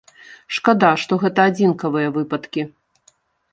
Шкада, што гэта адзінкавыя выпадкі.